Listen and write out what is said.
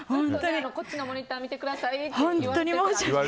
こっちのモニター見てくださいって言われて。